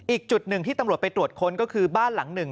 อีกจุดหนึ่งที่ตำรวจไปตรวจค้นก็คือบ้านหลังหนึ่ง